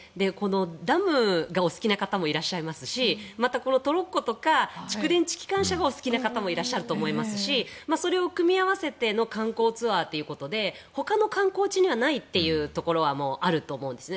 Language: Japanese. ダムがお好きな方もいらっしゃいますしまたトロッコとか蓄電池機関車がお好きという方もいらっしゃると思いますしそれを組み合わせての観光ツアーということでほかの観光地にはないというところはあると思うんですね。